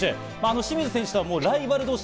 清水選手とはライバル同士。